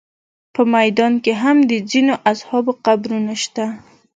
په میدان کې هم د ځینو اصحابو قبرونه شته.